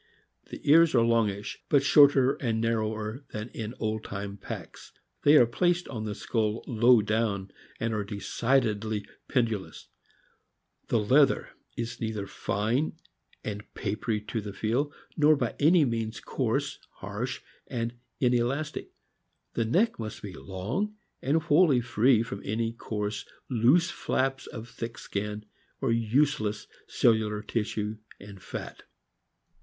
The ears are longish, but shorter and narrower than in old time packs; they are placed on the skull low down, and are decidedly pendulous; the leather is neither fine and papery to the feel nor by any means coarse, harsh, and inelastic. The neck must be long, and wholly free from any coarse, loose flaps of thick skin or useless cellular tissue and fat.